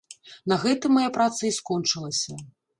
На гэтым мая праца і скончылася.